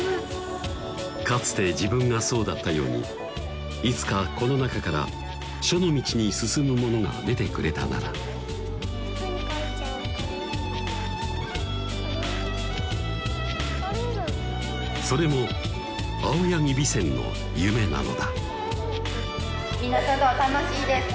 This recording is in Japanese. かつて自分がそうだったようにいつかこの中から書の道に進む者が出てくれたならそれも青柳美扇の夢なのだみんな書道楽しいですか？